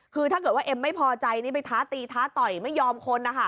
คือถ้าเกิดว่าเอ็มไม่พอใจนี่ไปท้าตีท้าต่อยไม่ยอมคนนะคะ